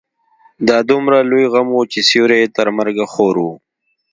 دا دومره لوی غم و چې سيوری يې تر مرګه خور وي.